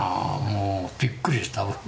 もうびっくりした。